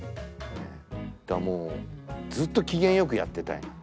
だからもうずっと機嫌よくやってたいなと。